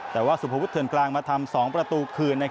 แต่ว่าสุภวุฒเถื่อนกลางมาทำ๒ประตูคืน